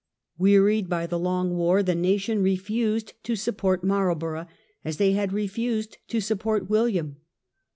Wearied by the long war, the nation refused to support Marlborough, as they had refused to support William.